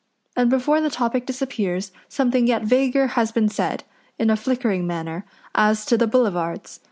and before the topic disappears something yet vaguer has been said, in a flickering manner, as to the Boulevards.